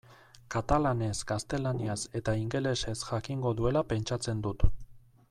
Katalanez, gaztelaniaz eta ingelesez jakingo duela pentsatzen dut.